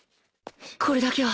これだけは